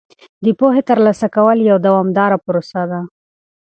د پوهې ترلاسه کول یوه دوامداره پروسه ده.